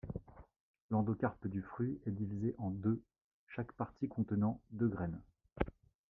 L’endocarpe du fruit est divisé en deux, chaque partie contenant deux graines.